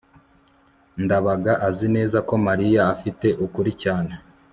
ndabaga azi neza ko mariya afite ukuri cyane